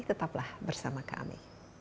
tetaplah bersama kami